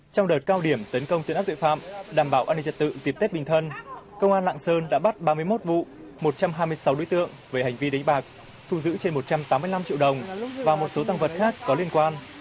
trong đợt cao điểm tấn công chấn áp tội phạm đảm bảo an ninh trật tự dịp tết bình thân công an lạng sơn đã bắt ba mươi một vụ một trăm hai mươi sáu đối tượng về hành vi đánh bạc thu giữ trên một trăm tám mươi năm triệu đồng và một số tăng vật khác có liên quan